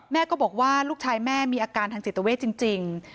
แม่ก็บอกว่าลูกชายแม่มีอาการทางจิตเวทจริง